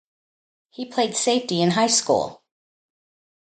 He played safety in high school.